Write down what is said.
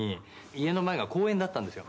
「家の前が公園だったんですよ。